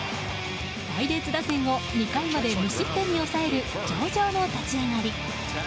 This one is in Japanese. パイレーツ打線を２回まで無失点に抑える上々の立ち上がり。